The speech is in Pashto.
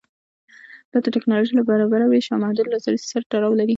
دا د ټکنالوژۍ له نابرابره وېش او محدود لاسرسي سره تړاو لري.